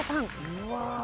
うわ。